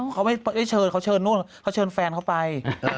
เขาไม่เชิญเขาเชิญนู่นเขาเชิญแฟนเขาไป